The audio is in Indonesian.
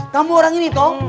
kamu orang ini toh